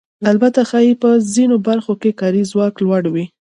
البته ښایي په ځینو برخو کې کاري ځواک لوړ وي